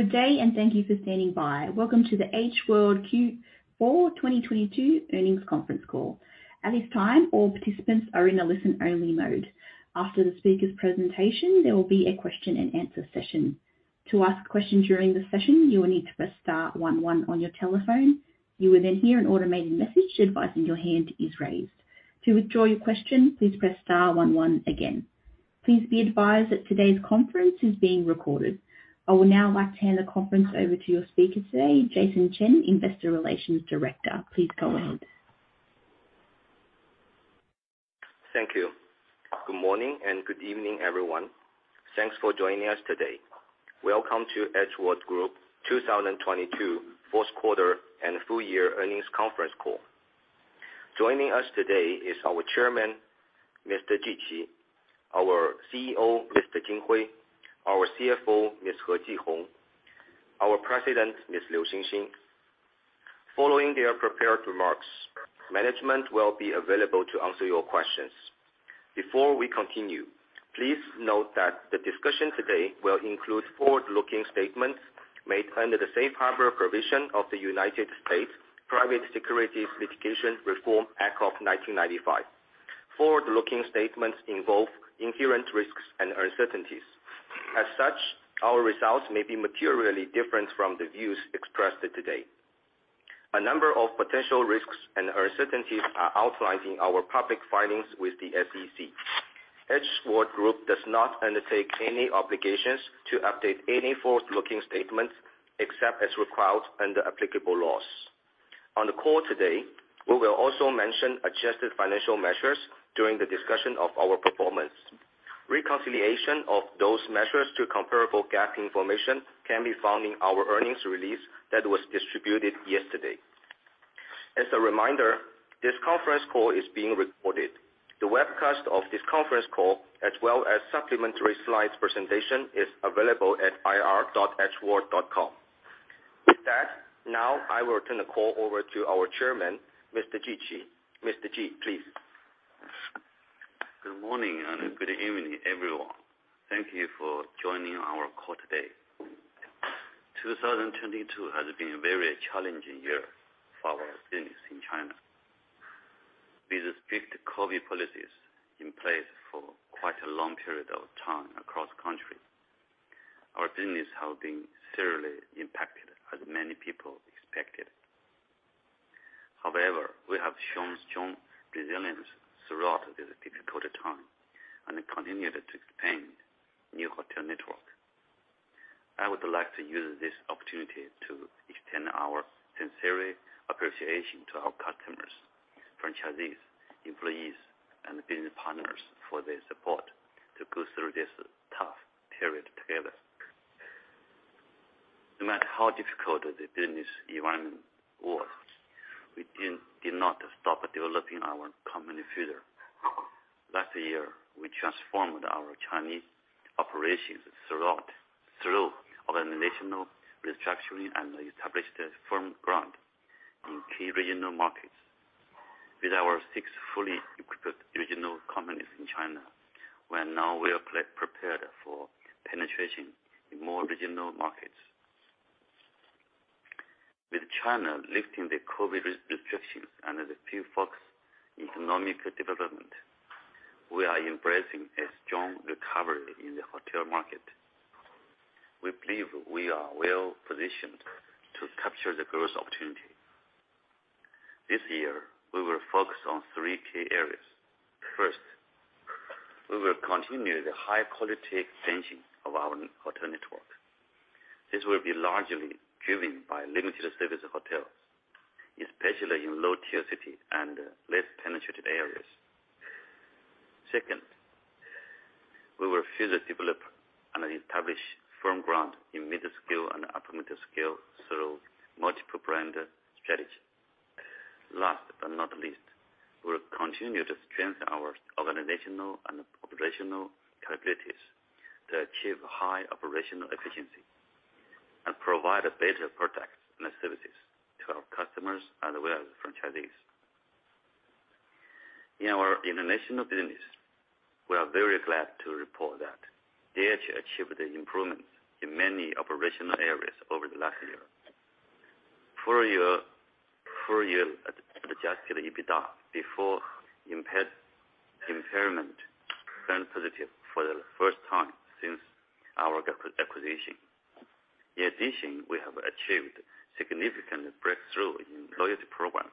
Good day, and thank you for standing by. Welcome to the H World Q4 2022 earnings conference call. At this time, all participants are in a listen-only mode. After the speaker's presentation, there will be a question and answer session. To ask a question during the session, you will need to press star one one on your telephone. You will hear an automated message to advise that your hand is raised. To withdraw your question, please press star one one again. Please be advised that today's conference is being recorded. I will now like to hand the conference over to your speaker today, Jason Chen, Investor Relations Director. Please go ahead. Thank you. Good morning and good evening, everyone. Thanks for joining us today. Welcome to H World Group 2022 Q4 and full year earnings conference call. Joining us today is our chairman, Mr. Ji Qi, our CEO, Mr. Jin Hui, our CFO, Ms. He Jihong, our president, Ms. Liu Xinxin. Following their prepared remarks, management will be available to answer your questions. Before we continue, please note that the discussion today will include forward-looking statements made under the safe harbor provision of the United States Private Securities Litigation Reform Act of 1995. Forward-looking statements involve inherent risks and uncertainties. As such, our results may be materially different from the views expressed today. A number of potential risks and uncertainties are outlined in our public filings with the SEC. H World Group does not undertake any obligations to update any forward-looking statements except as required under applicable laws. On the call today, we will also mention adjusted financial measures during the discussion of our performance. Reconciliation of those measures to comparable GAAP information can be found in our earnings release that was distributed yesterday. As a reminder, this conference call is being recorded. The webcast of this conference call as well as supplementary slides presentation is available at ir.hworld.com. With that, now I will turn the call over to our Chairman, Mr. Ji Qi. Mr. Ji, please. Good morning and good evening, everyone. Thank you for joining our call today. 2022 has been a very challenging year for our business in China. With the strict COVID policies in place for quite a long period of time across country, our business has been seriously impacted as many people expected. However, we have shown strong resilience throughout this difficult time and continued to expand new hotel network. I would like to use this opportunity to extend our sincere appreciation to our customers, franchisees, employees, and business partners for their support to go through this tough period together. No matter how difficult the business environment was, we did not stop developing our company further. Last year, we transformed our Chinese operations through organizational restructuring and established a firm ground in key regional markets. With our six fully-equipped regional companies in China, we are now well prepared for penetration in more regional markets. With China lifting the COVID restrictions and the few folks economic development, we are embracing a strong recovery in the hotel market. We believe we are well-positioned to capture the growth opportunity. This year, we will focus on three key areas. First, we will continue the high-quality expansion of our hotel network. This will be largely driven by limited service hotels, especially in low-tier city and less penetrated areas. Second, we will further develop and establish firm ground in mid-scale and upper mid-scale through multiple brand strategy. Last but not least, we'll continue to strengthen our organizational and operational capabilities to achieve high operational efficiency and provide better products and services to our customers as well as franchisees. In our international business, we are very glad to report that DH achieved the improvements in many operational areas over the last year. Full year adjusted EBITDA before impairment turned positive for the first time since our acquisition. In addition, we have achieved significant breakthrough in loyalty program,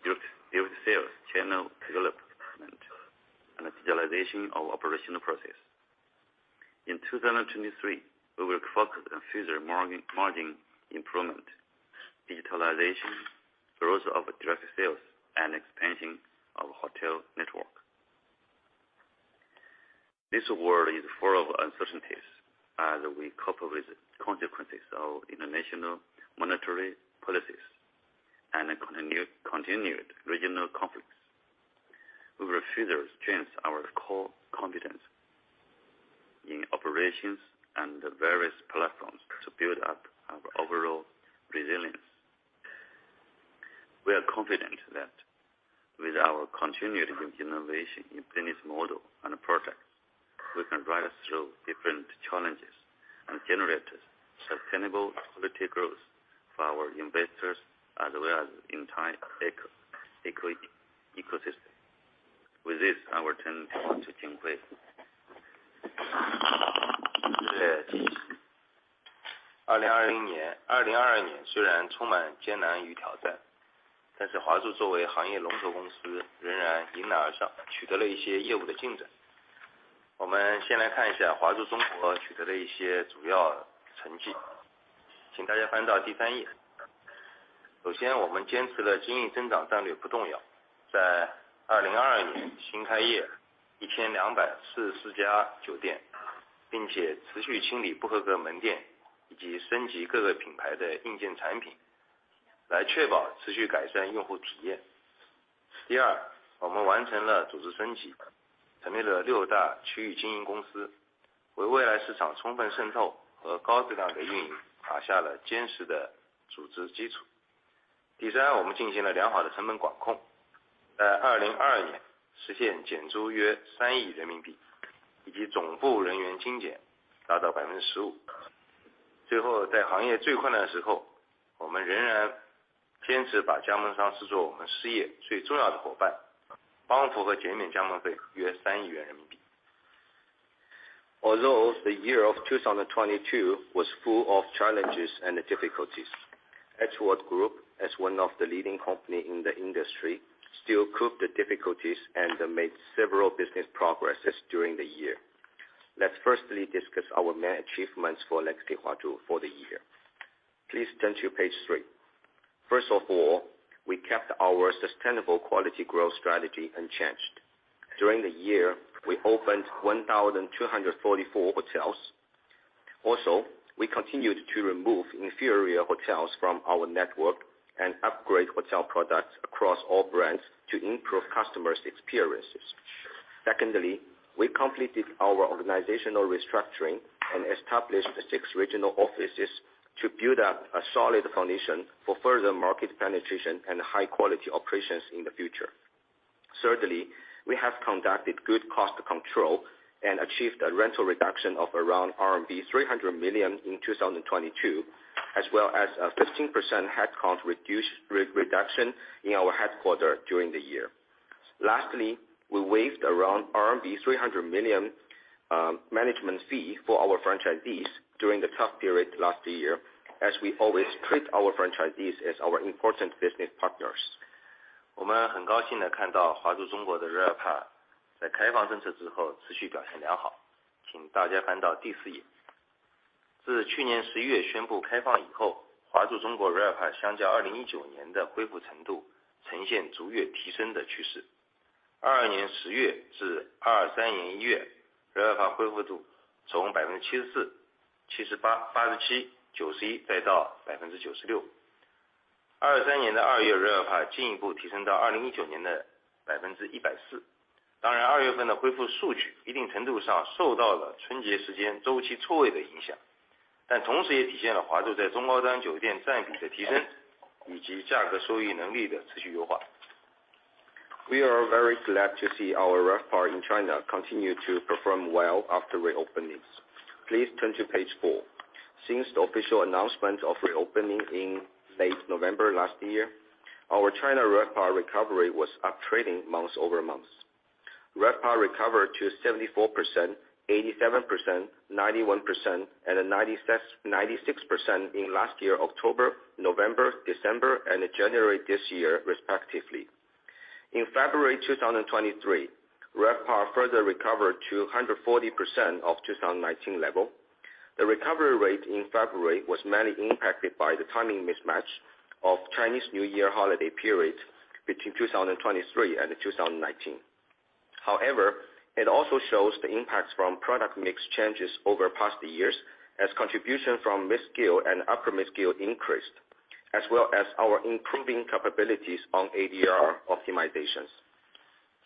direct sales, channel development, and the digitalization of operational process. In 2023, we will focus on future margin improvement, digitalization, growth of direct sales, and expansion of hotel network. This world is full of uncertainties as we cope with consequences of international monetary policies and a continued regional conflicts. We will further strengthen our core competence in operations and various platforms. We are confident that with our continued innovation in business model and products, we can drive us through different challenges and generate sustainable quality growth for our investors, as well as entire ecosystem. With this, I will turn to Jin Hui. 2022年虽然充满艰难与挑 战， Huazhu 作为行业龙头公司仍然迎难而 上， 取得了一些业务的进展。我们先来看一下 Legacy Huazhu 取得的一些主要成绩。请大家翻到第3 页。首 先， 我们坚持了经营增长战略不动 摇， 在2022年新开业 1,244 家酒 店， 并且持续清理不合格门 店， 以及升级各个品牌的硬件产 品， 来确保持续改善用户体验。第 二， 我们完成了组织升级，成立了六大区域经营公 司， 为未来市场充分渗透和高质量的运营打下了坚实的组织基础。第 三， 我们进行了良好的成本管 控， 在2022年实现减租约 RMB 300 million， 以及总部人员精简达到 15%。最 后， 在行业最困难的时 候， 我们仍然坚持把加盟商视作我们事业最重要的伙伴，帮扶和减免加盟费约 RMB 300 million。The year of 2022 was full of challenges and difficulties, H World Group, as one of the leading company in the industry, still coped the difficulties and made several business progresses during the year. Let's firstly discuss our main achievements for Legacy Huazhu for the year. Please turn to page three. First of all, we kept our sustainable quality growth strategy unchanged. During the year, we opened 1,244 hotels. We continued to remove inferior hotels from our network and upgrade hotel products across all brands to improve customers' experiences. Secondly, we completed our organizational restructuring and established the 6 regional offices to build up a solid foundation for further market penetration and high quality operations in the future. Thirdly, we have conducted good cost control and achieved a rental reduction of around RMB 300 million in 2022, as well as a 15% head count reduction in our headquarter during the year. Lastly, we waived around RMB 300 million, management fee for our franchisees during the tough period last year as we always treat our franchisees as our important business partners. 我们很高兴地看到 Huazhu China 的 RevPAR 在开放政策之后持续表现良好。请大家翻到第四页。自去年 11 月宣布开放以后，Huazhu China RevPAR 相较 2019 年的恢复程度呈现逐月提升的趋势。2022 年10 月至 2023年1 月，RevPAR 恢复度从 74%、78%、87%、91%，再到 96%。2023 年2月 RevPAR 进一步提升到 2019 年的 104%。当然，2 月份的恢复数据一定程度上受到了 Chinese New Year 时间周期错位的影响，但同时也体现了 Huazhu 在中高端酒店占比的提升，以及价格收益能力的持续优化。We are very glad to see our RevPAR in China continue to perform well after reopenings. Please turn to page four. Since the official announcement of reopening in late November last year, our China RevPAR recovery was up trending month-over-month. RevPAR recovered to 74%, 87%, 91%, and 96% in last year, October, November, December, and January this year respectively. In February 2023, RevPAR further recovered to 140% of 2019 level. The recovery rate in February was mainly impacted by the timing mismatch of Chinese New Year holiday periods between 2023 and 2019. It also shows the impacts from product mix changes over past years as contribution from mid-scale and upper mid-scale increased, as well as our improving capabilities on ADR optimizations.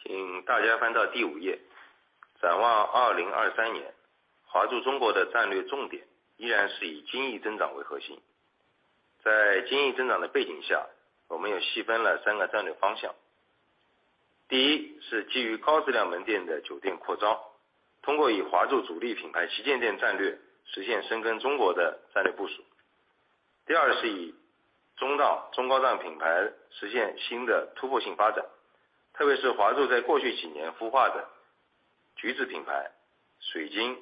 请大家翻到第五页。展望2023 年，Huazhu China 的战略重点依然是以经营增长为核心。在营增长的背景 下，我 们又细分了三个战略方向。第一是基于高质量门店的酒店扩 张，通 过以 Huazhu 主力品牌旗舰店战略实现深耕中国的战略部署。第二是以中档、中高端品牌实现新的突破性发 展，特 别是 Huazhu 在过去几年孵化的 Crystal Orange、Blossom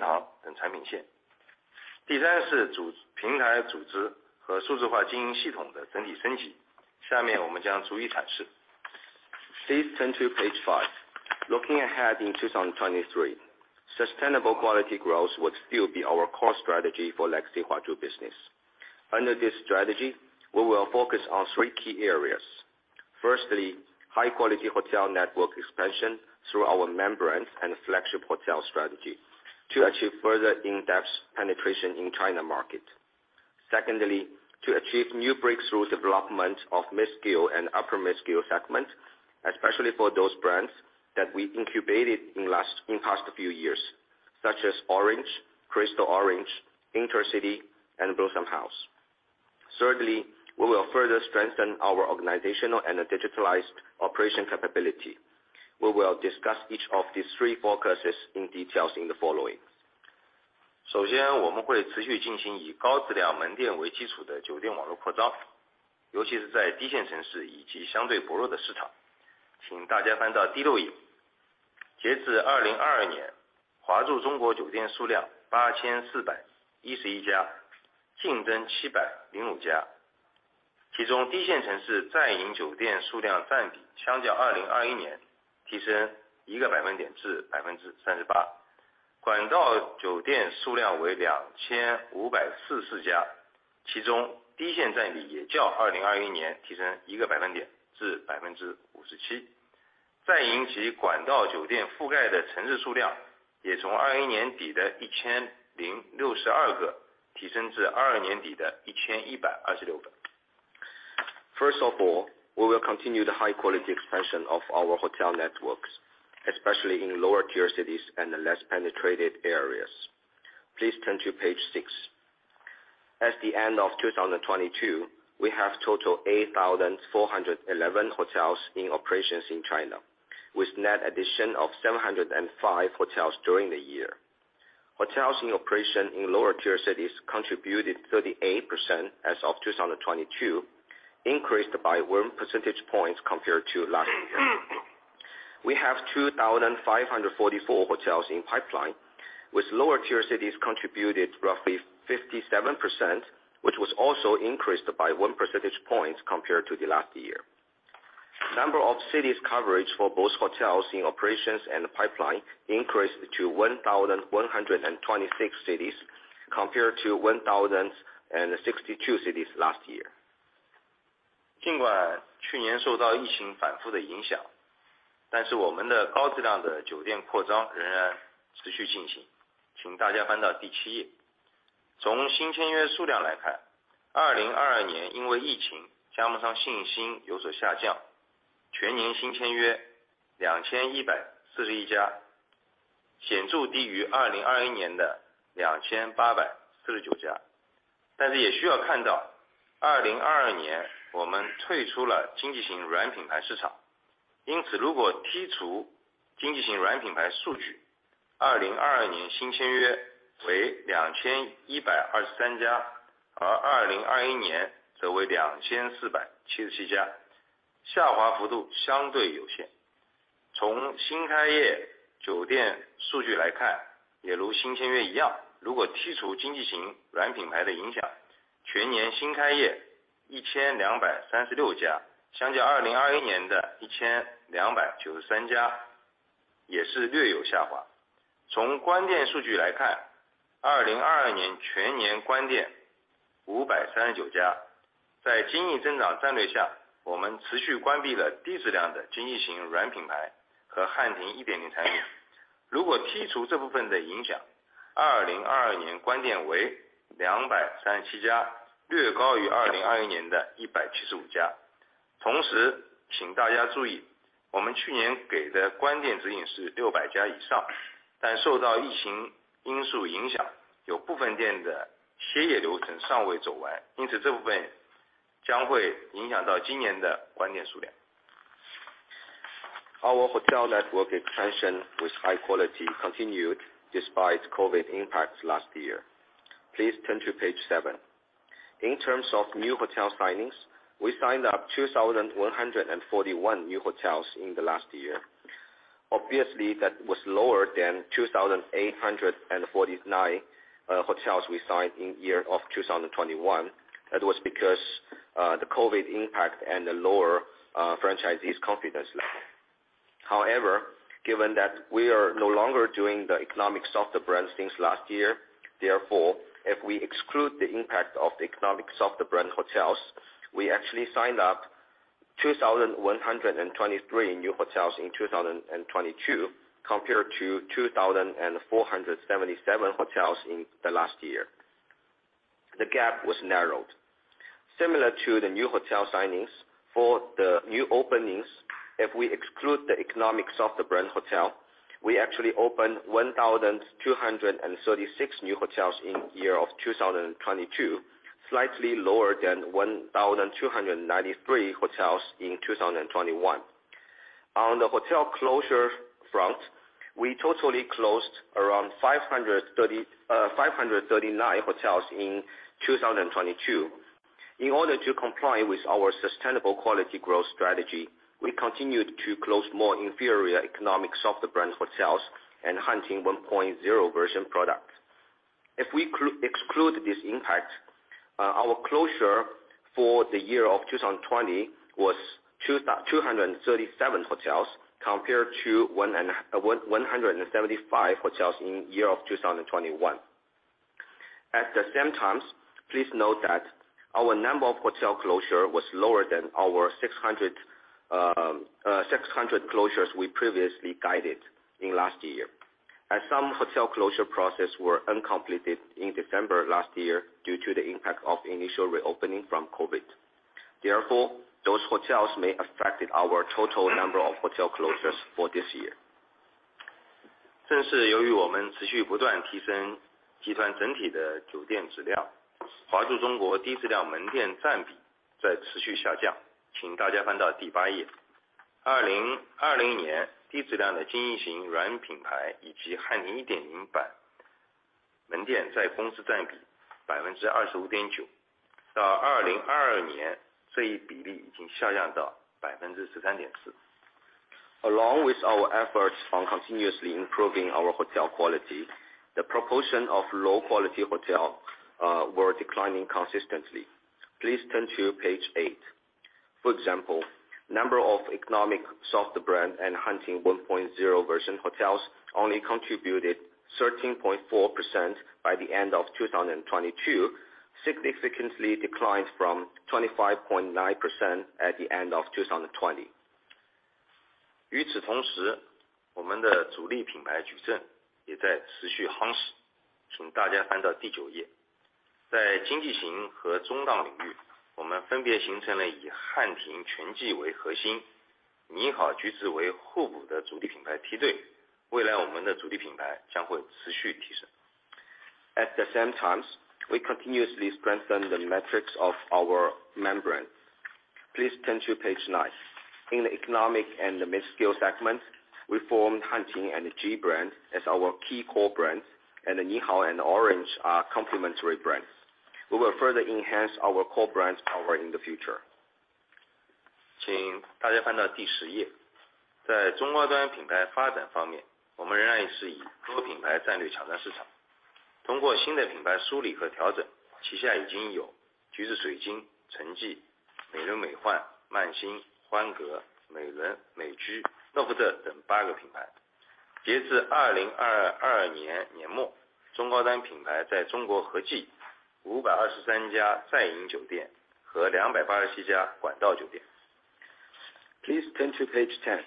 House 等产品线。第三是平台组织和数字化经营系统的整体升级。下面我们将逐一阐释。Please turn to page five. Looking ahead in 2023, sustainable quality growth would still be our core strategy for Legacy Huazhu business. Under this strategy, we will focus on three key areas. Firstly, high quality hotel network expansion through our main brands and flagship hotel strategy to achieve further in-depth penetration in China market. Secondly, to achieve new breakthroughs development of mid-scale and upper mid-scale segments, especially for those brands that we incubated in past few years, such as Orange, Crystal Orange, Intercity, and Blossom House. Thirdly, we will further strengthen our organizational and digitalized operation capability. We will discuss each of these three focuses in details in the following. 首 先， 我们会持续进行以高质量门店为基础的酒店网络扩 张， 尤其是在低线城市以及相对薄弱的市场。请大家翻到第六页。截至2022 年， 华住中国酒店数量 8,411 家， 净增705家，其中低线城市在营酒店数量占比相较2021年提升一个百分点至 38%， 管道酒店数量为 2,544 家， 其中低线占比也较2021年提升一个百分点至 57%。在营及管道酒店覆盖的城市数量也从2021年底的 1,062 个提升至2022年底的 1,126 个。First of all, we will continue the high quality expansion of our hotel networks, especially in lower tier cities and less penetrated areas. Please turn to page six. At the end of 2022, we have total 8,411 hotels in operations in China, with net addition of 705 hotels during the year. Hotels in operation in lower tier cities contributed 38% as of 2022, increased by one percentage points compared to last year. We have 2,544 hotels in pipeline, with lower tier cities contributed roughly 57%, which was also increased by one percentage points compared to the last year. Number of cities coverage for both hotels in operations and pipeline increased to 1,126 cities, compared to 1,062 cities last year. 尽管去年受到疫情反复的影 响， 但是我们的高质量的酒店扩张仍然持续进行。请大家翻到第七页。从新签约数量来 看， 二零二二年因为疫情加上信心有所下 降， 全年新签约两千一百四十一 家， 显著低于二零二一年的两千八百四十九家。但是也需要看 到， 二零二二年我们退出了经济型软品牌市 场， 因此如果剔除经济型软品牌数 据， 二零二二年新签约为两千一百二十三 家， 而二零二一年则为两千四百七十七 家， 下滑幅度相对有限。从新开业酒店数据来 看， 也如新签约一 样， 如果剔除经济型软品牌的影 响， 全年新开业一千两百三十六 家， 相较二零二一年的一千两百九十三家也是略有下滑。从关店数据来 看， 二零二二年全年关店五百三十九家。在经营增长战略 下， 我们持续关闭了低质量的经济型软品牌和汉庭一点零产品。如果剔除这部分的影 响， 二零二二年关店为两百三十七家，略高于二零二一年的一百七十五家。同时请大家注 意， 我们去年给的关店指引是六百家以 上， 但受到疫情因素影 响， 有部分店的歇业流程尚未走 完， 因此这部分将会影响到今年的关店数量。Our hotel network expansion with high quality continued despite COVID impacts last year. Please turn to page seven. In terms of new hotel signings, we signed up 2,141 new hotels in the last year. Obviously, that was lower than 2,849 hotels we signed in year of 2021. That was because the COVID impact and the lower franchisees confidence level. Given that we are no longer doing the economic Soft Brands since last year, therefore, if we exclude the impact of the economic Soft Brand hotels, we actually signed up 2,123 new hotels in 2022, compared to 2,477 hotels in the last year. The gap was narrowed. Similar to the new hotel signings for the new openings, if we exclude the economic Soft Brand hotel, we actually opened 1,236 new hotels in 2022, slightly lower than 1,293 hotels in 2021. On the hotel closure front, we totally closed around 539 hotels in 2022. In order to comply with our sustainable quality growth strategy, we continued to close more inferior economic Soft Brand hotels and Hanting 1.0 version products. If we exclude this impact, our closure for 2020 was 237 hotels compared to 175 hotels in 2021. At the same times, please note that our number of hotel closure was lower than our 600 closures we previously guided in last year, as some hotel closure process were uncompleted in December last year due to the impact of initial reopening from COVID. Therefore, those hotels may affected our total number of hotel closures for this year. 称是由于我们持续不断提升集团整体的酒店质 量， 华住中国低质量门店占比在持续下降。请大家翻到第八页。2020 年， 低质量的经济型软品牌以及汉庭一点零版门店在公司占比 25.9%， 到2022 年， 这一比例已经下降到 13.4%。Along with our efforts on continuously improving our hotel quality, the proportion of low quality hotel were declining consistently. Please turn to page eight. For example, number of economic Soft Brand and Hanting 1.0 hotels only contributed 13.4% by the end of 2022, significantly declined from 25.9% at the end of 2020. 与此同 时， 我们的主力品牌矩阵也在持续夯实。请大家翻到第9 页。在经济型和中档领 域， 我们分别形成了以汉庭、全季为核 心， 尼豪、桔子为后补的主力品牌梯队。未来我们的主力品牌将会持续提升。At the same time, we continuously strengthen the metrics of our main brand. Please turn to page nine. In the economic and the midscale segment, we formed Hanting and JI brand as our key core brands, and the Nihao and Orange are complementary brands. We will further enhance our core brand power in the future. 请大家翻到 page 10。在中高端品牌发展方 面， 我们仍然是以多品牌战略抢占市场。通过新的品牌梳理和调 整， 旗下已经有 Crystal Orange Hotel、IntercityHotel、MAXX、Manxin Hotel、欢阁、Madison Hotel、Mercure、Novotel 等八个品牌。截至2022年年 末， 中高端品牌在中国合计523家在营酒店和287家管道酒店。Please turn to page ten.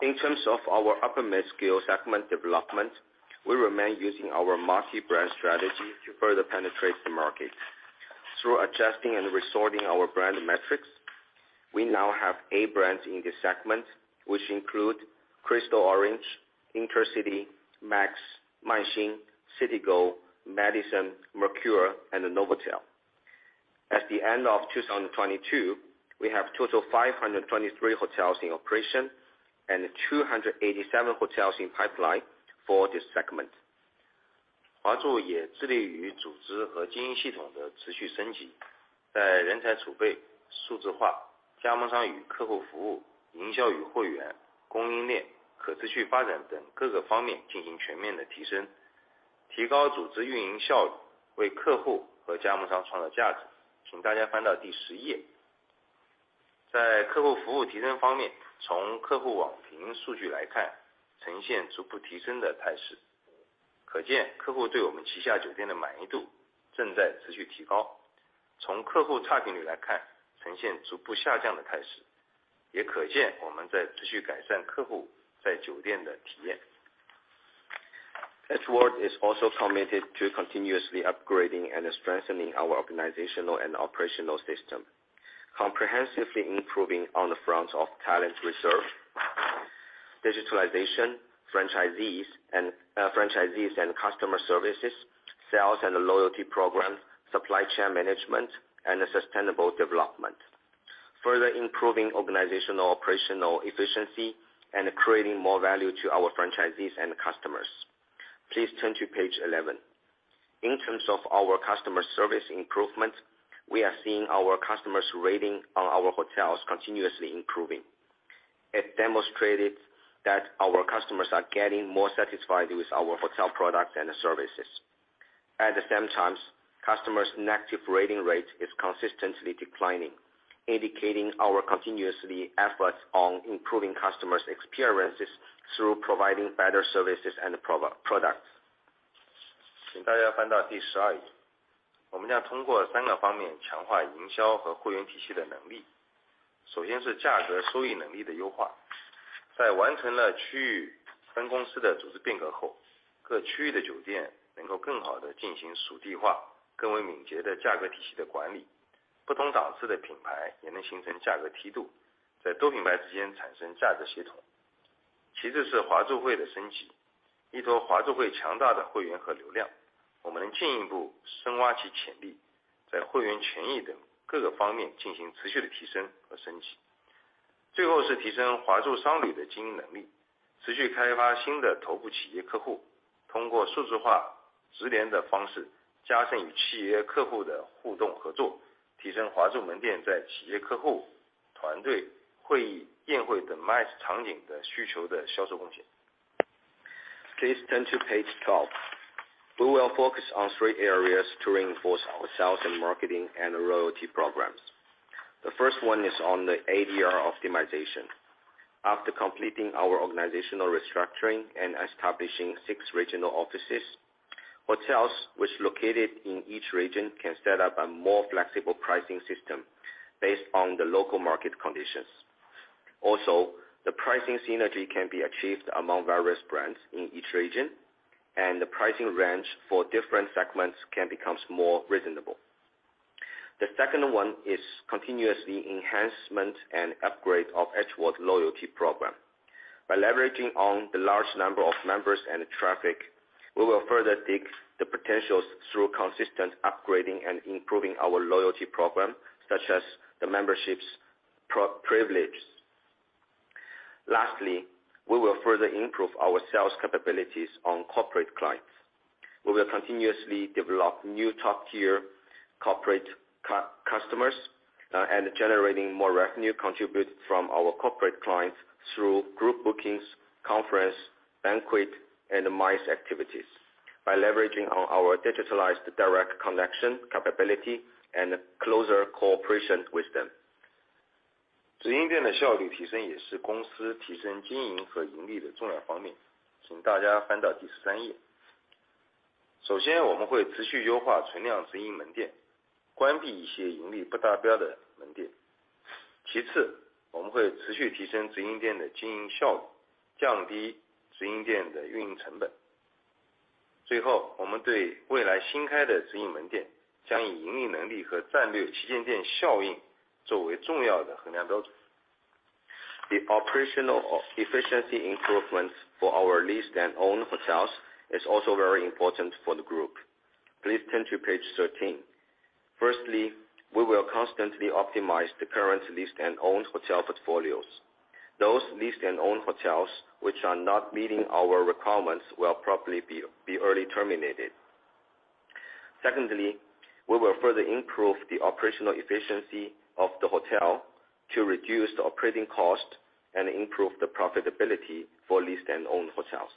In terms of our upper midscale segment development, we remain using our multi-brand strategy to further penetrate the market. Through adjusting and resorting our brand metrics, we now have eight brands in this segment, which include Crystal Orange, Intercity, MAXX, Manxin, CitiGO, Madison, Mercure and the Novotel. At the end of 2022, we have total 523 hotels in operation and 287 hotels in pipeline for this segment. 华住也致力于组织和经营系统的持续升 级， 在人才储备、数字化、加盟商与客户服务、营销与会员、供应链、可持续发展等各个方面进行全面的提升，提高组织运营效 率， 为客户和加盟商创造价值。请大家翻到第十页。在客户服务提升方 面， 从客户网评数据来 看， 呈现逐步提升的态 势， 可见客户对我们旗下酒店的满意度正在持续提高。从客户差评率来 看， 呈现逐步下降的态 势， 也可见我们在持续改善客户在酒店的体验。H World is also committed to continuously upgrading and strengthening our organizational and operational system, comprehensively improving on the fronts of talent reserve, digitalization, franchisees and customer services, sales and loyalty programs, supply chain management and sustainable development. Further improving organizational operational efficiency and creating more value to our franchisees and customers. Please turn to page 11. In terms of our customer service improvement, we are seeing our customers' rating on our hotels continuously improving. It demonstrated that our customers are getting more satisfied with our hotel products and services. At the same time, customers' negative rating rate is consistently declining, indicating our continuously efforts on improving customers' experiences through providing better services and pro-products. 请大家翻到第12 页。我们将通过三个方面强化营销和会员体系的能力。首先是价格收益能力的优化。在完成了区域分公司的组织变革 后， 各区域的酒店能够更好地进行属地 化， 更为敏捷的价格体系的 管理， 不同档次的品牌也能形成价格 梯度， 在多品牌之间产生价值协同。其次是 H Rewards 的升级。依托 H Rewards 强大的会员和 流量， 我们能进一步深挖其 潜力， 在会员权益等各个方面进行持续的提升和升级。最后是提升 Huazhu Corporate Travel 的经营 能力， 持续开发新的头部企业 客户， 通过数字化直连的 方式， 加深与企业客户的互动 合作， 提升 Huazhu 门店在企业客户、团队、会议、宴会等 MICE 场景的需求的销售贡献。Please turn to page 12. We will focus on three areas to reinforce our sales and marketing and loyalty programs. The first one is on the ADR optimization. After completing our organizational restructuring and establishing six regional offices, hotels which located in each region can set up a more flexible pricing system based on the local market conditions. Also, the pricing synergy can be achieved among various brands in each region, and the pricing range for different segments can becomes more reasonable. The second one is continuously enhancement and upgrade of H Rewards loyalty program. By leveraging on the large number of members and traffic, we will further dig the potentials through consistent upgrading and improving our loyalty program, such as the memberships pro-privilege. Lastly, we will further improve our sales capabilities on corporate clients. We will continuously develop new top-tier corporate customers, Generating more revenue contributed from our corporate clients through group bookings, conference, banquet, and MICE activities by leveraging on our digitalized direct connection capability and closer cooperation with them. The operational efficiency improvements for our leased and owned hotels is also very important for the group. Please turn to page 13. Firstly, we will constantly optimize the current leased and owned hotel portfolios. Those leased and owned hotels which are not meeting our requirements will probably be early terminated. Secondly, we will further improve the operational efficiency of the hotel to reduce the operating cost and improve the profitability for leased and owned hotels.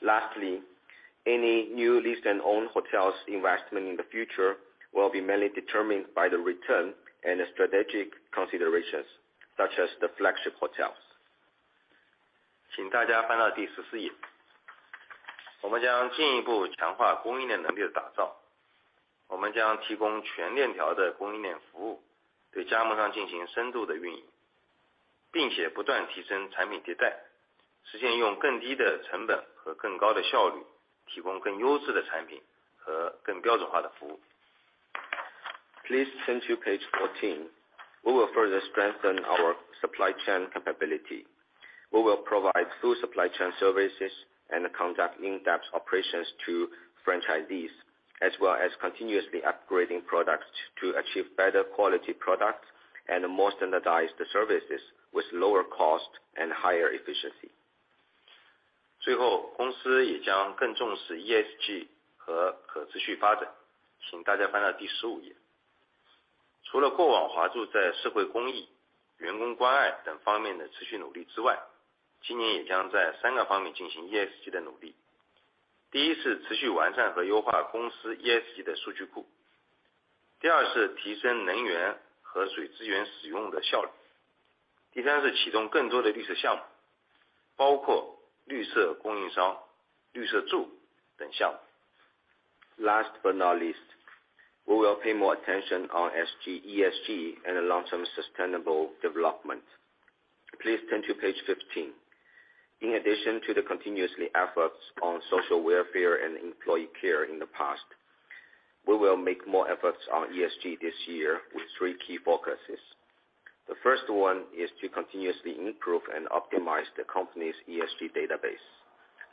Lastly, any new leased and owned hotels investment in the future will be mainly determined by the return and the strategic considerations, such as the flagship hotels. Please turn to page 14. We will further strengthen our supply chain capability. We will provide full supply chain services and conduct in-depth operations to franchisees, as well as continuously upgrading products to achieve better quality product and more standardized services with lower cost and higher efficiency. Last but not least, we will pay more attention on ESG and long-term sustainable development. Please turn to page 15. In addition to the continuously efforts on social welfare and employee care in the past, we will make more efforts on ESG this year with three key focuses. The first one is to continuously improve and optimize the company's ESG database.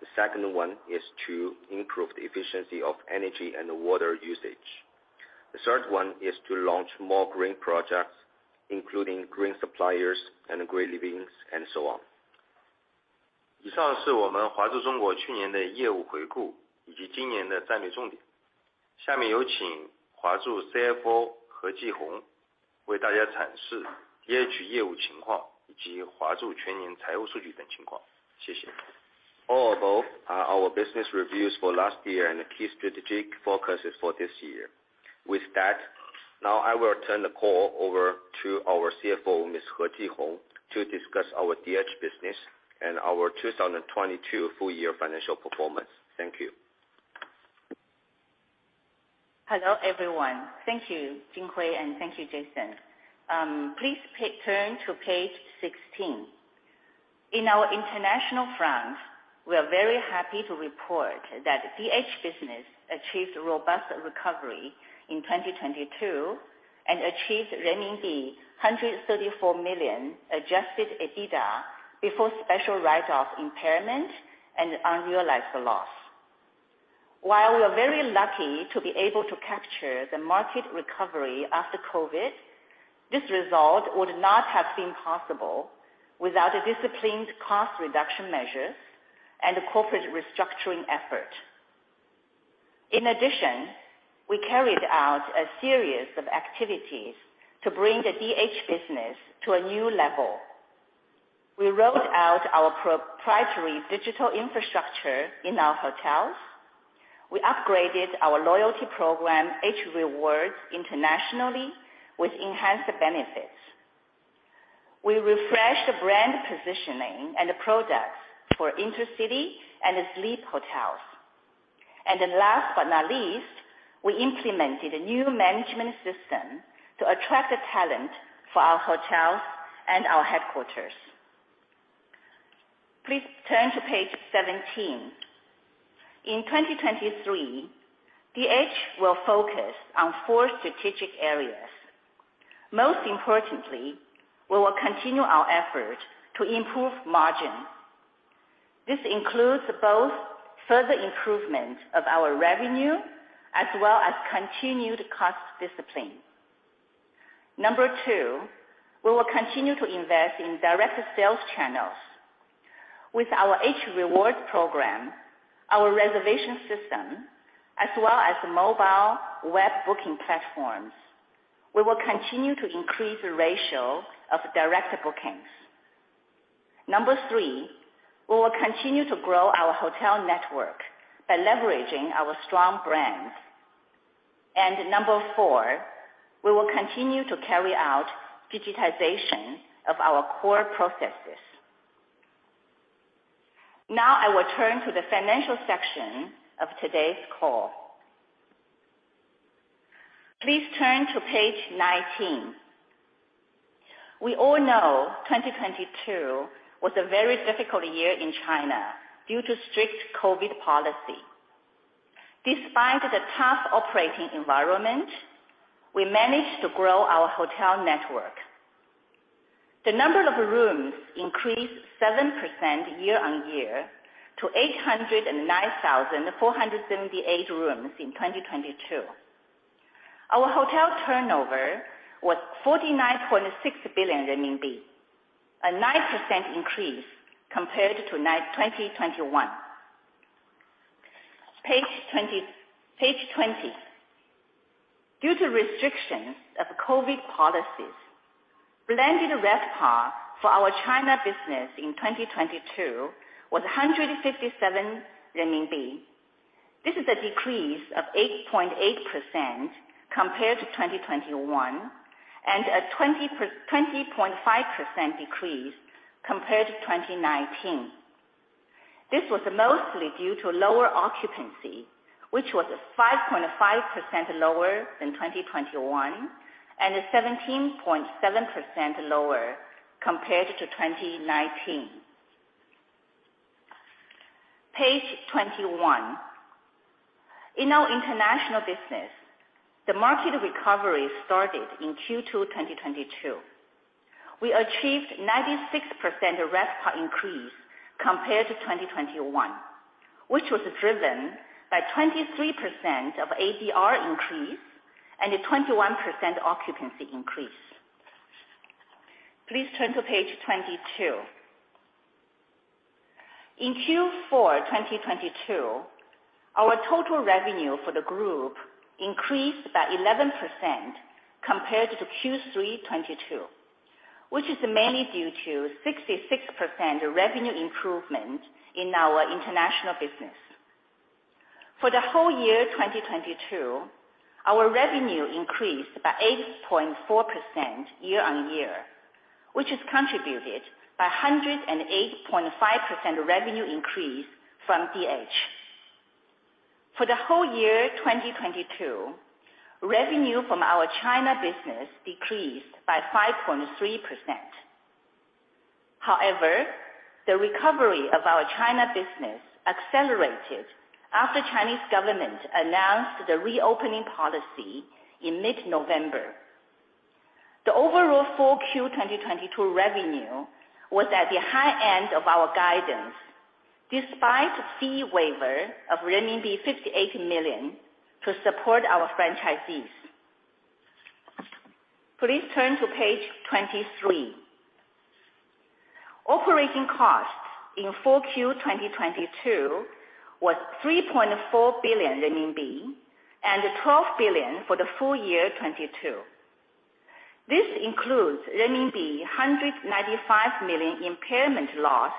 The second one is to improve the efficiency of energy and water usage. The third one is to launch more green projects, including green suppliers and green livings and so on. All above are our business reviews for last year and the key strategic focuses for this year. Now I will turn the call over to our CFO, Ms. He Jihong, to discuss our DH business and our 2022 full year financial performance. Thank you. Hello, everyone. Thank you, Jin Hui, and thank you, Jason. Please turn to page 16. In our international front, we are very happy to report that DH business achieved robust recovery in 2022 and achieved renminbi 134 million adjusted EBITDA before special write-off impairment and unrealized loss. While we are very lucky to be able to capture the market recovery after COVID, this result would not have been possible without a disciplined cost reduction measures and a corporate restructuring effort. In addition, we carried out a series of activities to bring the DH business to a new level. We rolled out our proprietary digital infrastructure in our hotels. We upgraded our loyalty program, H Rewards, internationally with enhanced benefits. We refreshed the brand positioning and the products for Intercity and Zleep Hotels. Last but not least, we implemented a new management system to attract the talent for our hotels and our headquarters. Please turn to page 17. In 2023, DH will focus on four strategic areas. Most importantly, we will continue our effort to improve margin. This includes both further improvement of our revenue as well as continued cost discipline. Number two, we will continue to invest in direct sales channels. With our H Rewards program, our reservation system, as well as mobile web booking platforms, we will continue to increase the ratio of direct bookings. Number three, we will continue to grow our hotel network by leveraging our strong brand. Number four, we will continue to carry out digitization of our core processes. Now I will turn to the financial section of today's call. Please turn to page 19. We all know 2022 was a very difficult year in China due to strict COVID policy. Despite the tough operating environment, we managed to grow our hotel network. The number of rooms increased 7% year-on-year to 809,478 rooms in 2022. Our hotel turnover was 49.6 billion RMB, a 9% increase compared to 2021. Page 20. Due to restrictions of COVID policies, blended RevPAR for our China business in 2022 was 157 renminbi. This is a decrease of 8.8% compared to 2021, and a 20.5% decrease compared to 2019. This was mostly due to lower occupancy, which was 5.5% lower than 2021, and is 17.7% lower compared to 2019. Page 21. In our international business, the market recovery started in Q2 2022. We achieved 96% RevPAR increase compared to 2021, which was driven by 23% of ADR increase and a 21% occupancy increase. Please turn to page 22. In Q4 2022, our total revenue for the group increased by 11% compared to Q3 2022, which is mainly due to 66% revenue improvement in our international business. For the whole year 2022, our revenue increased by 8.4% year-on-year, which is contributed by a 108.5% revenue increase from DH. For the whole year 2022, revenue from our China business decreased by 5.3%. The recovery of our China business accelerated after Chinese Government announced the reopening policy in mid-November. The overall full Q 2022 revenue was at the high end of our guidance, despite fee waiver of renminbi 58 million to support our franchisees. Please turn to page 23. Operating costs in full Q 2022 was 3.4 billion RMB and 12 billion for the full year 2022. This includes RMB 195 million impairment loss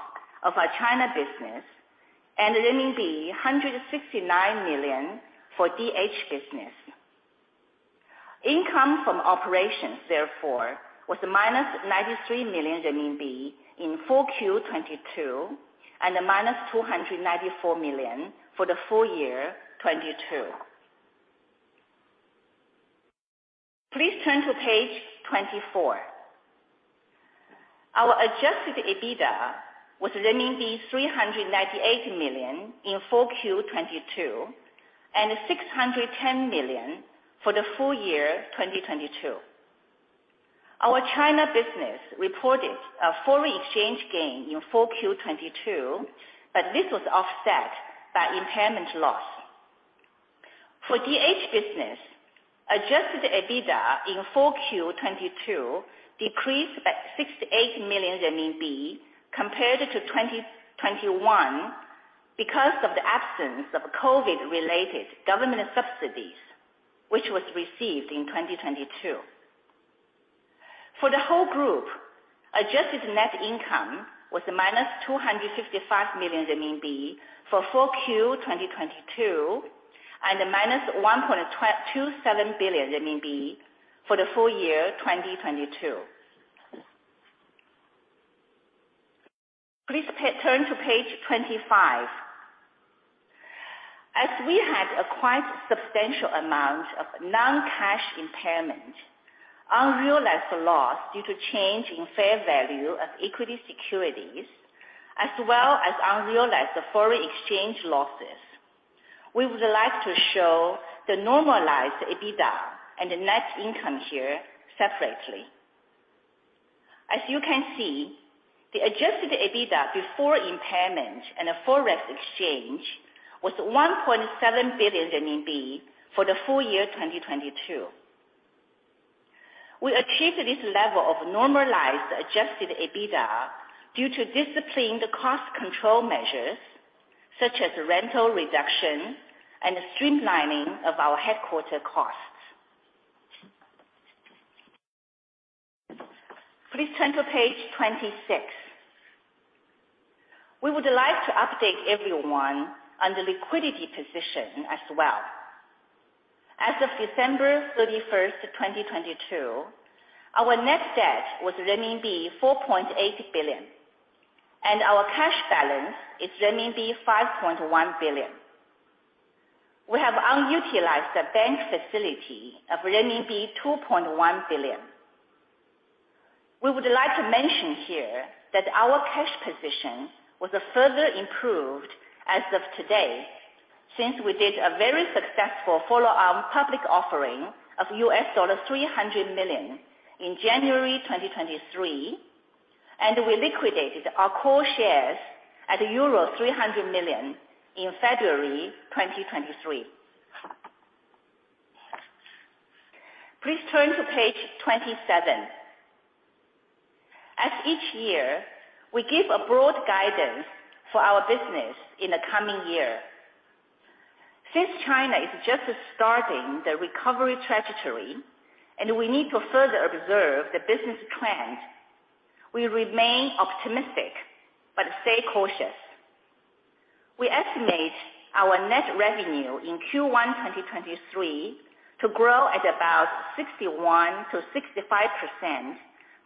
of our China business and RMB 169 million for DH business. Income from operations, therefore, was minus 93 million renminbi in full Q 2022, and minus 294 million for the full year 2022. Please turn to page 24. Our adjusted EBITDA was renminbi 398 million in full Q 2022, and 610 million for the full year 2022. Our China business reported a foreign exchange gain in full Q 2022, but this was offset by impairment loss. For DH business, adjusted EBITDA in full Q 2022 decreased by 68 million RMB compared to 2021 because of the absence of COVID-related government subsidies, which was received in 2022. For the whole group, adjusted net income was -255 million RMB for full Q 2022, and -1.27 billion RMB for the full year 2022. Please turn to page 25. As we had a quite substantial amount of non-cash impairment, unrealized loss due to change in fair value of equity securities, as well as unrealized foreign exchange losses, we would like to show the normalized EBITDA and the net income here separately. The adjusted EBITDA before impairment and foreign exchange was 1.7 billion RMB for the full year 2022. We achieved this level of normalized adjusted EBITDA due to disciplined cost control measures such as rental reduction and streamlining of our headquarter costs. Please turn to page 26. We would like to update everyone on the liquidity position as well. As of 31 December 2022, our net debt was renminbi 4.8 billion, and our cash balance is renminbi 5.1 billion. We have unutilized a bank facility of renminbi 2.1 billion. We would like to mention here that our cash position was further improved as of today, since we did a very successful follow-on public offering of $300 million in January 2023, and we liquidated our Accor shares at euro 300 million in February 2023. Please turn to page 27. As each year, we give a broad guidance for our business in the coming year. Since China is just starting the recovery trajectory, and we need to further observe the business trend, we remain optimistic but stay cautious. We estimate our net revenue in Q1 2023 to grow at about 61%-65%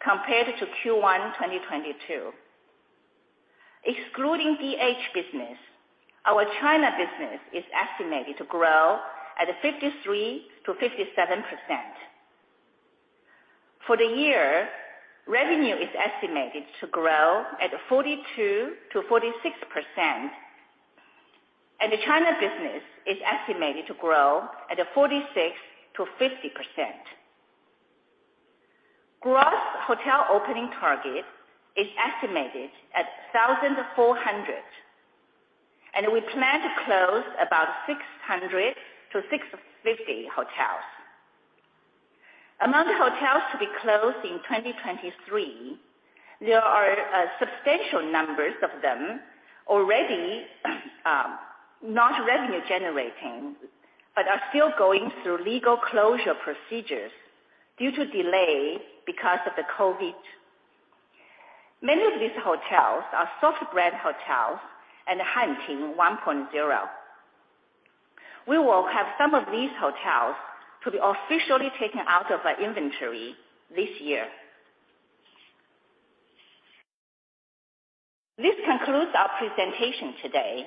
compared to Q1 2022. Excluding DH business, our China business is estimated to grow at 53%-57%. For the year, revenue is estimated to grow at 42%-46%, and the China business is estimated to grow at 46%-50%. Gross hotel opening target is estimated at 1,400, and we plan to close about 600-650 hotels. Among the hotels to be closed in 2023, there are substantial numbers of them already not revenue generating, but are still going through legal closure procedures due to delay because of the COVID. Many of these hotels are Soft Brand hotels and Hanting 1.0. We will have some of these hotels to be officially taken out of our inventory this year. This concludes our presentation today.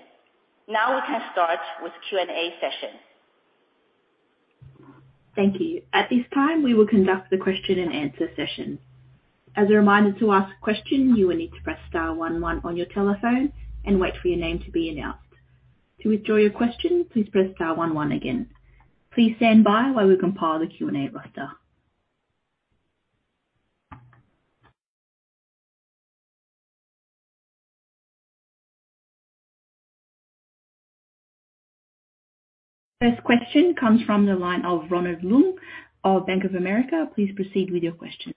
We can start with Q&A session. Thank you. At this time, we will conduct the question-and-answer session. As a reminder, to ask a question, you will need to press star one one on your telephone and wait for your name to be announced. To withdraw your question, please press star one one again. Please stand by while we compile the Q&A roster. First question comes from the line of Ronald Leung of Bank of America. Please proceed with your question.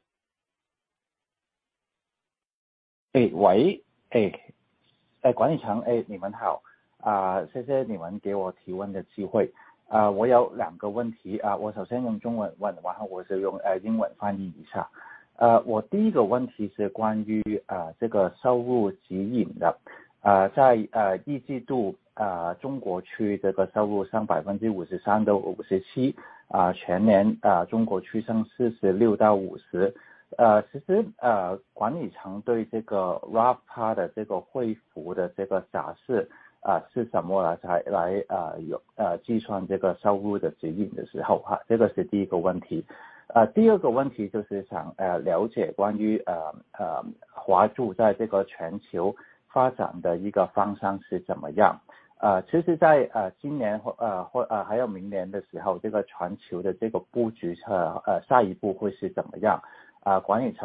Hi. Good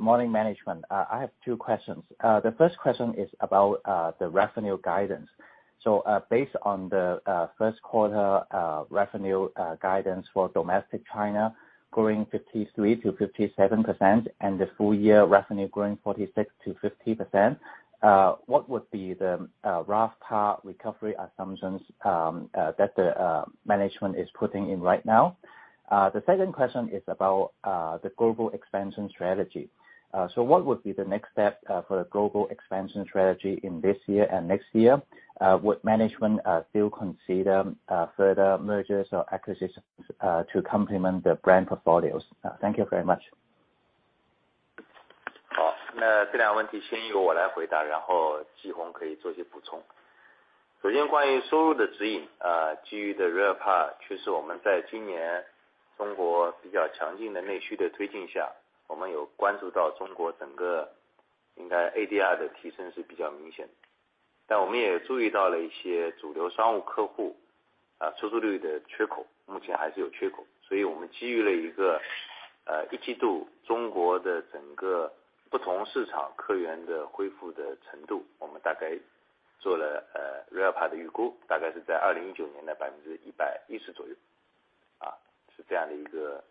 morning, management. I have two questions. The first question is about the revenue guidance. Based on the Q1 revenue guidance for domestic China growing 53%-57% and the full year revenue growing 46%-50%, what would be the rough cut recovery assumptions that the management is putting in right now? The second question is about the global expansion strategy. What would be the next step for the global expansion strategy in this year and next year? Would management still consider further mergers or acquisitions to complement the brand portfolios? Thank you very much. 这两个问题先由我来 回答， 然后 Jihong 可以做些补充。首先关于收入的指 引， 基于的 RevPAR， 确实我们在今年 China 比较强劲的内需的推进 下， 我们有关注到中国整个应该 ADR 的提升是比较明显的。我们也注意到了一些主流商务客 户， 出租率的缺 口， 目前还是有缺口的。我们基于了一个 1Q 中国的整个不同市场客源的恢复的程 度， 我们大概做了 RevPAR 的预 估， 大概是在2019年的 110% 左右。是这样的一 个，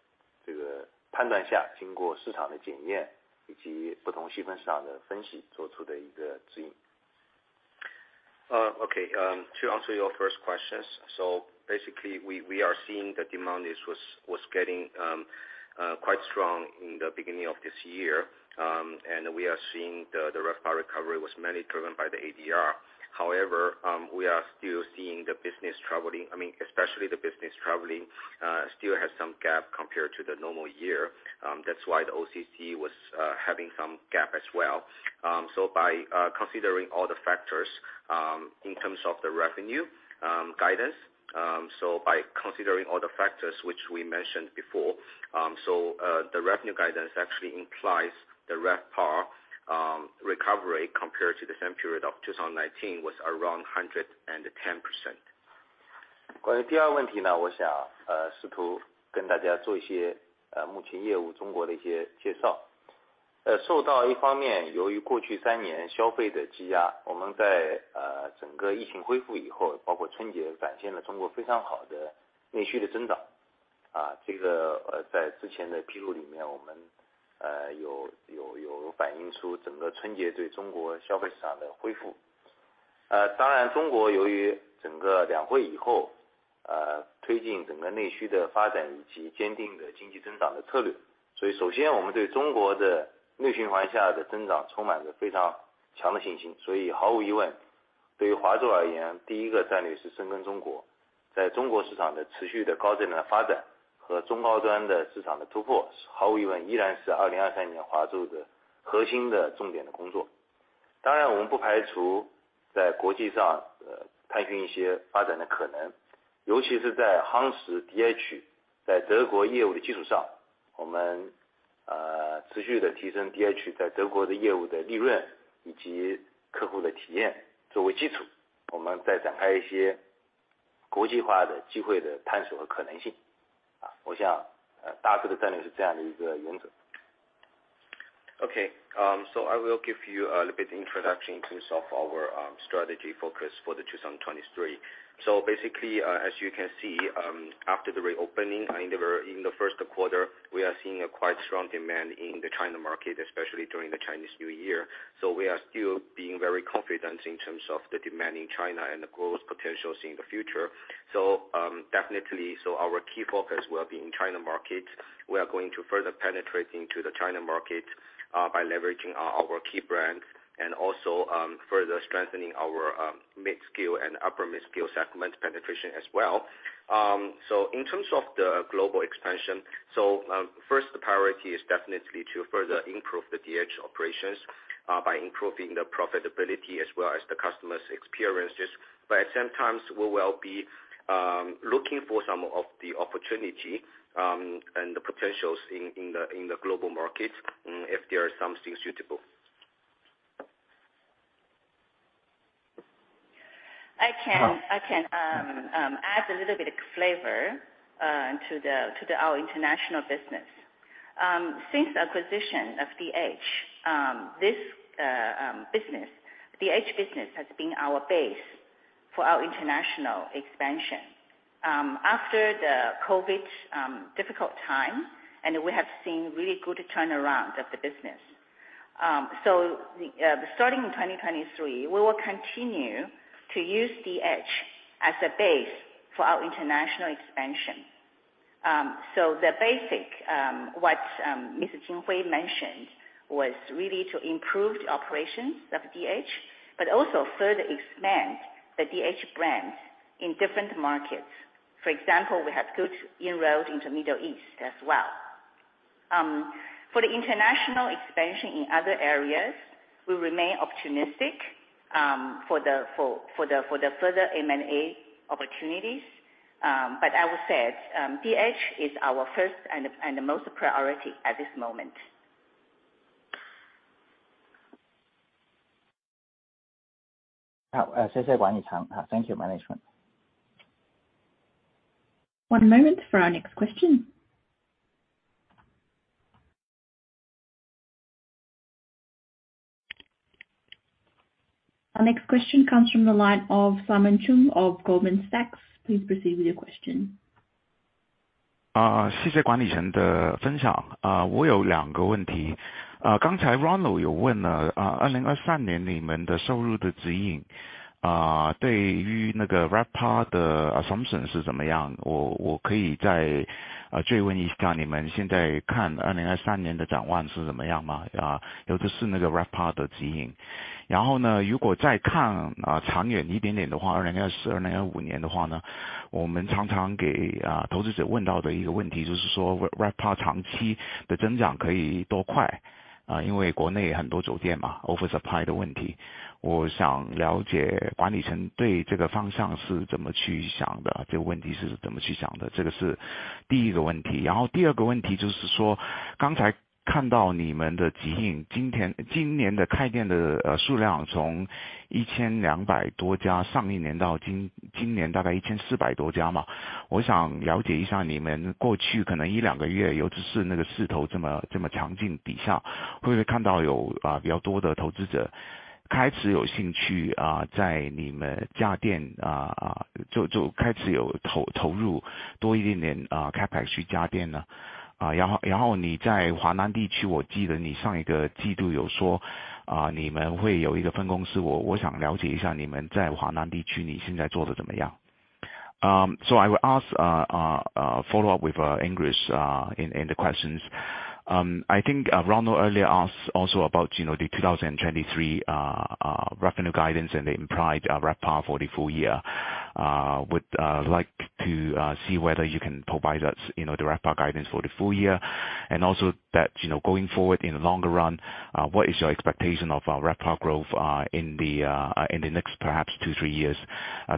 这个判断 下， 经过市场的检验以及不同细分市场的分析做出的一个指引。To answer your first questions. Basically we are seeing the demand was getting quite strong in the beginning of this year. We are seeing the RevPAR recovery was mainly driven by the ADR. However, we are still seeing the business traveling, I mean especially the business traveling, still has some gap compared to the normal year. That's why the OCC was having some gap as well. By considering all the factors, in terms of the revenue guidance, by considering all the factors which we mentioned before. The revenue guidance actually implies the RevPAR recovery compared to the same period of 2019 was around 110%. 关于第二个问题 呢， 我想试图跟大家做一些目前业务 China 的一些介绍。受到一方面由于过去三年消费的积 压， 我们在整个疫情恢复以 后， 包括 Chinese New Year， 展现了 China 非常好的内需的增长。这个在之前的披露里 面， 我们有反映出整个 Chinese New Year 对 China 消费市场的恢复。当然 China 由于整个 Two Sessions 以 后， 推进整个内需的发展以及坚定的经济增长的策略。首先我们对 China 的内循环下的增长充满着非常强的信心。毫无疑 问， 对于 Huazhu 而 言， 第一个战略是深耕中 国， 在中国市场的持续的高质量发展和中高端的市场的突 破， 是毫无疑问依然是2023 Huazhu 的核心的重点的工作。当然我们不排除在国际上探寻一些发展的可 能， 尤其是在夯实 DH 在德国业务的基础 上， 我们持续地提升 DH 在德国的业务的利润以及客户的体验作为基 础， 我们再展开一些国际化的机会的探索和可能性。我想大致的战略是这样的一个原则。I will give you a little bit introduction in terms of our strategy focus for the 2023. As you can see, after the reopening, I remember in the Q1, we are seeing a quite strong demand in the China market, especially during the Chinese New Year. We are still being very confident in terms of the demand in China and the growth potentials in the future. Definitely so our key focus will be in China market. We are going to further penetrate into the China market by leveraging our key brand and also further strengthening our mid scale and upper mid scale segment penetration as well. In terms of the global expansion, so, first priority is definitely to further improve the DH operations, by improving the profitability as well as the customers' experiences, but at the same time, we will be looking for some of the opportunity and the potentials in the global market, if there is something suitable. I can add a little bit of flavor to our international business. Since acquisition of DH, this business, DH business has been our base for our international expansion. After the COVID difficult time and we have seen really good turnaround of the business. Starting in 2023, we will continue to use DH as a base for our international expansion. The basic what Mr. Jin Hui mentioned was really to improve the operations of DH, but also further expand the DH brand in different markets. For example, we have good inroads into Middle East as well. For the international expansion in other areas, we remain optimistic for the further M&A opportunities. I will say, DH is our first and the most priority at this moment. 好， 谢谢管理层。Thank you management。One moment for our next question. Our next question comes from the line of Simon Cheung of Goldman Sachs. Please proceed with your question. 啊， 谢谢管理层的分享。啊， 我有两个问 题， 啊， 刚才 Ronald 有问 了， 啊 ，2023 年你们的收入的指引， 啊， 对于那个 RevPAR 的 assumption 是怎么 样？ 我， 我可以 再， 呃， 追问一 下， 你们现在看2023年的展望是怎么样 吗？ 啊， 尤其是那个 RevPAR 的指引。然后 呢， 如果再 看， 啊， 长远一点点的话 ，2024、2025 年的话 呢， 我们常常 给， 啊， 投资者问到的一个问 题， 就是说 R-RevPAR 长期的增长可以多快？ 啊， 因为国内很多酒店嘛 ，oversupply 的问 题， 我想了解管理层对这个方向是怎么去想 的， 这个问题是怎么去想 的， 这个是第一个问 题， 然后第二个问题就是说刚才看到你们的即 兴， 今年的开店的数量从 1,200 多 家， 上一年到今年大概 1,400 多家 嘛， 我想了解一 下， 你们过去可能一两个 月， 尤其是那个势头这 么， 这么强劲底 下， 会不会看到有比较多的投资者开始有兴趣在你们加 店， 就开始有投入多一 点点， 开拍去加店呢？然后你在华南地 区， 我记得你上一个季度有 说， 你们会有一个分公 司， 我想了解一下你们在华南地区你现在做得怎么 样？ I will ask, follow up with English in the questions. I think Ronald earlier asked also about you know the 2023 revenue guidance and the implied RevPAR for the full year. Would like to see whether you can provide us you know the RevPAR guidance for the full year, and also that you know going forward in the longer run, what is your expectation of RevPAR growth in the next perhaps two, three years,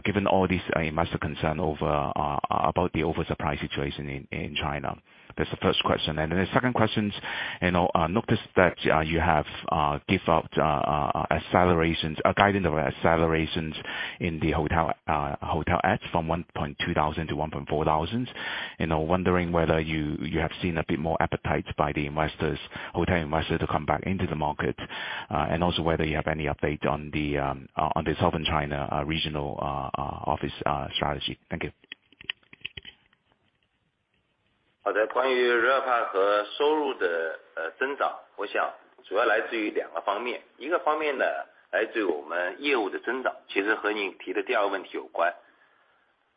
given all this massive concern of about over-the-price situation in China. That's the first question. And the second question is, not just that you have give out a [accelerations] in the hotel at, from 1,200 1,400 wondering whether you have see more appetite of the investors to comeback into the market and also you have any update on the [inaudible] China regional update office strategy. Thank you. 好 的， 关于 RevPAR 和收入的 呃， 增 长， 我想主要来自于两个方 面， 一个方面 呢， 来自于我们业务的增 长， 其实和你提的第二个问题有关。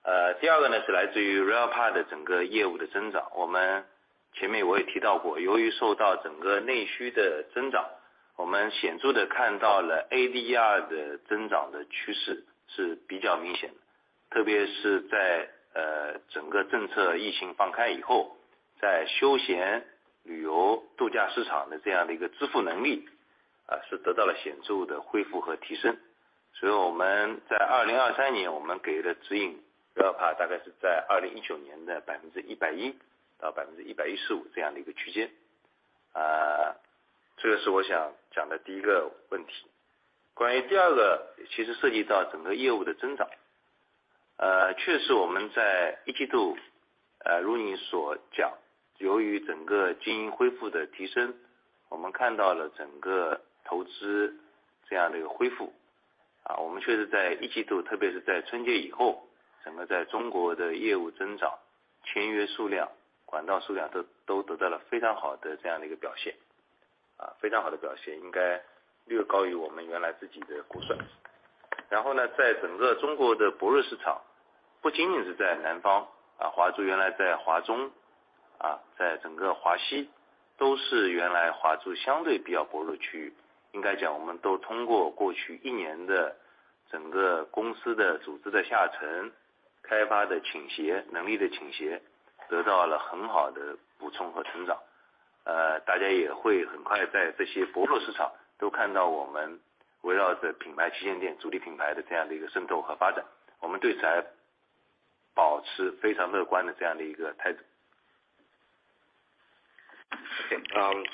呃， 第二个呢是来自于 RevPAR 的整个业务的增长。我们前面我也提到 过， 由于受到整个内需的增 长， 我们显著地看到了 ADR 的增长的趋势是比较明显 的， 特别是 在， 呃， 整个政策疫情放开以后，在休闲旅游度假市场的这样的一个支付能 力， 啊是得到了显著的恢复和提升。所以我们在2023年我们给的指引 RevPAR 大概是在2019年的百分之一百一到百分之一百一十五这样的一个区间。呃， 这个是我想讲的第一个问题。关于第二 个， 其实涉及到整个业务的增 长， 呃， 确实我们在一季 度， 呃， 如你所讲，由于整个经营恢复的提 升， 我们看到了整个投资这样的一个恢 复， 啊我们确实在一季 度， 特别是在春节以 后， 整个在中国的业务增长、签约数量、管道数量 都， 都得到了非常好的这样的一个表 现， 啊非常好的表 现， 应该略高于我们原来自己的估算。然后 呢， 在整个中国的薄弱市 场， 不仅仅是在南 方， 啊华住原来在华中，啊在整个华西都是原来华住相对比较薄弱区域。应该讲我们都通过过去一年的整个公司的组织的下 沉， 开发的倾 斜， 能力的倾 斜， 得到了很好的补充和成长。呃， 大家也会很快在这些薄弱市场都看到我们围绕着品牌旗舰店主力品牌的这样的一个渗透和发 展， 我们对此保持非常乐观的这样的一个态度。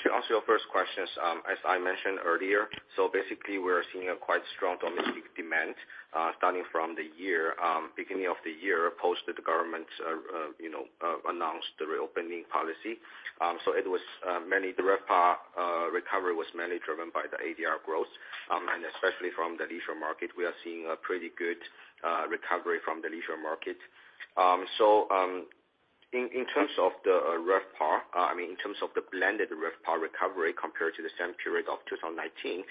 To answer your first questions, as I mentioned earlier. Basically we are seeing a quite strong domestic demand, starting from the beginning of the year, post the government's, you know, announced the reopening policy. It was the RevPAR recovery was mainly driven by the ADR growth, and especially from the leisure market. We are seeing a pretty good recovery from the leisure market. In terms of the RevPAR, I mean in terms of the blended RevPAR recovery compared to the same period of 2019,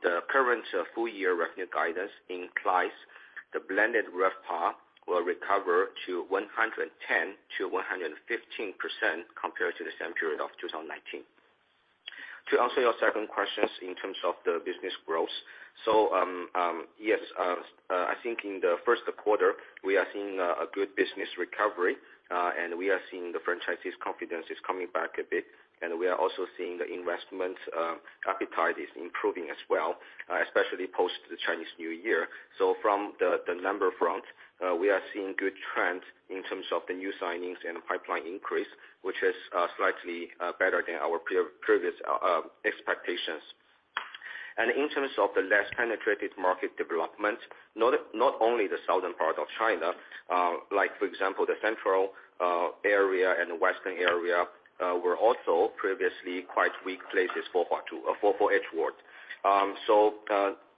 the current full year revenue guidance implies the blended RevPAR will recover to 110%-115% compared to the same period of 2019. To answer your second questions in terms of the business growth. Yes, I think in the Q1 we are seeing a good business recovery and we are seeing the franchisees confidence is coming back a bit, and we are also seeing the investment appetite is improving as well, especially post the Chinese New Year. From the number front, we are seeing good trends in terms of the new signings and pipeline increase, which is slightly better than our previous expectations. In terms of the less penetrated market development, not only the southern part of China, like for example, the central area and western area, were also previously quite weak places for Huazhu for H World.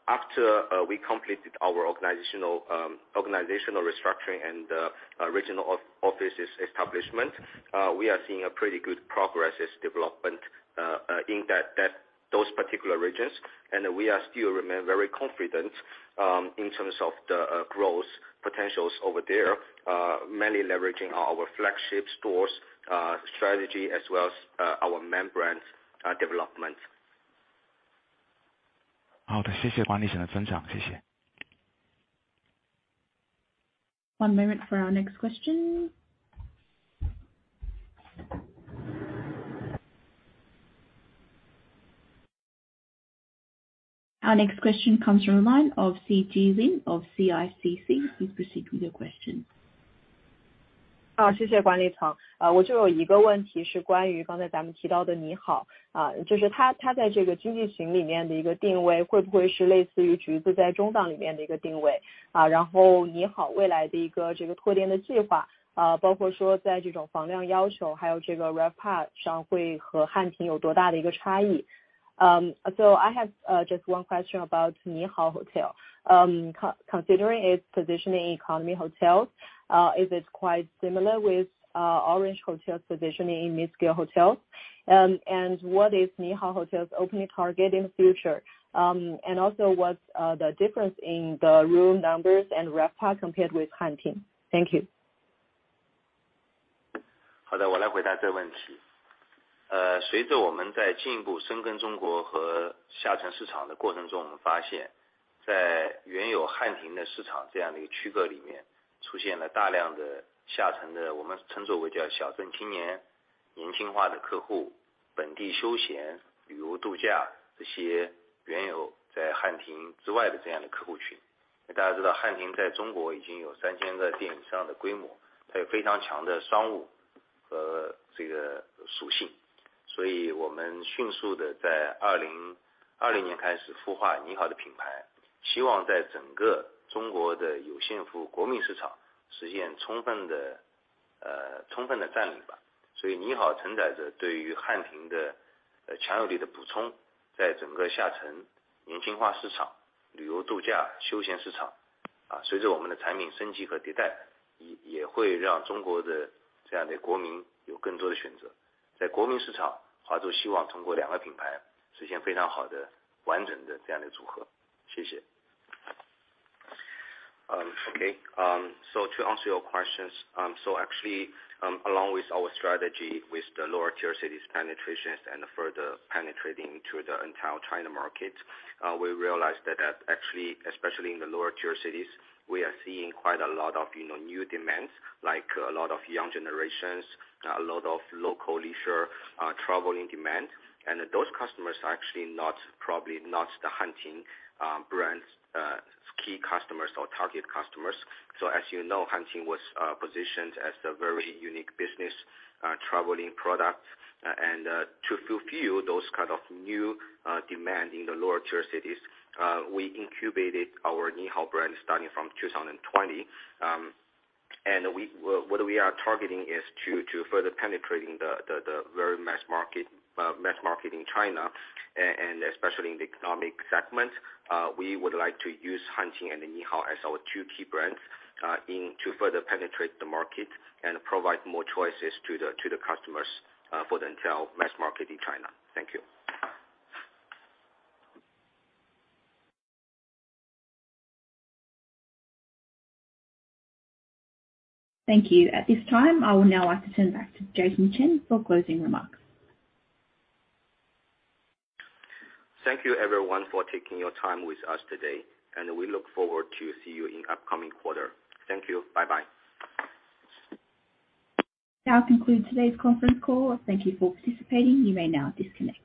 After we completed our organizational restructuring and regional offices establishment, we are seeing a pretty good progress development in those particular regions and we are still remain very confident in terms of the growth potentials over there, mainly leveraging our flagship stores strategy as well as our main brands development. 好 的， 谢谢管理层的分 享， 谢谢。One moment for our next question. Our next question comes from line of Sijie Lin of CICC. Please proceed with your question. 谢谢管理 层， 我就有一个问题是关于刚才咱们提到的 Nihao Hotel， 就是 它， 它在这个经济型里面的一个定 位， 会不会是类似于 Orange Hotel 在中档里面的一个定 位， 然后 Nihao Hotel 未来的一个这个拓店的计 划， 包括说在这种房量要 求， 还有这个 RevPAR 上会和 Hanting 有多大的一个差 异？ I have just one question about Nihao Hotel. Considering it's positioned in economy hotels. Is it quite similar with Orange Hotel's positioning in mid-scale hotels? What is Nihao Hotel's opening target in the future? What's the difference in the room numbers and RevPAR compared with Hanting? Thank you. 好 的， 我来回答这个问题。随着我们在进一步深耕中国和下沉市场的过程 中， 我们发 现， 在原有 Hanting 的市场这样的一个区隔里 面， 出现了大量的下层的我们称作为叫小镇青年、年轻化的客户、本地休闲旅游度假这些原有在 Hanting 之外的这样的客户群。大家知道 Hanting 在中国已经有 3,000 家店以上的规 模， 它有非常强的商务和这个属性，所以我们迅速地在2020年开始孵化 Nihao 的品 牌， 希望在整个中国的有幸福国民市场实现充分的占领。Nihao 承载着对于 Hanting 的强有力的补 充， 在整个下层年轻化市场、旅游度假休闲市 场， 随着我们的产品升级和迭 代， 也会让中国的这样的国民有更多的选择。在国民市场， Huazhu 希望通过2个品牌实现非常好的完整的这样的组合。谢谢。Okay. To answer your questions. Actually, along with our strategy with the lower tier cities penetrations and further penetrating to the entire China market, we realized that actually, especially in the lower tier cities, we are seeing quite a lot of, you know, new demands, like a lot of young generations, a lot of local leisure, traveling demand. Those customers are actually not, probably not the Hanting brand's key customers or target customers. As you know, Hanting was positioned as a very unique business traveling product. To fulfill those kind of new demand in the lower tier cities, we incubated our Nihao brand starting from 2020. What we are targeting is to further penetrating the very mass market in China, and especially in the economic segment. We would like to use Hanting and Nihao as our two key brands, in to further penetrate the market and provide more choices to the customers, for the entire mass market in China. Thank you. Thank you. At this time, I would now like to turn back to Jason Chen for closing remarks. Thank you everyone for taking your time with us today, and we look forward to see you in upcoming quarter. Thank you. Bye bye. That concludes today's conference call. Thank You for participating. You may now disconnect.